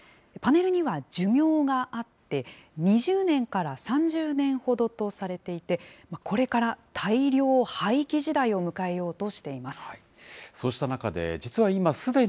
パネルには寿命があって、２０年から３０年ほどとされていて、これから大量廃棄時代を迎えようとしています。